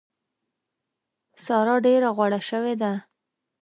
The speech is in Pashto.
سارا ډېره غوړه شوې ده.